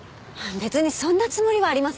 別にそんなつもりはありませんけど。